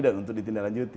dan untuk ditindaklanjuti